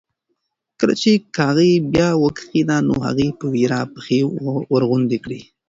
کله چې کاغۍ بیا وکغېده نو هغې په وېره پښې ورغونډې کړې.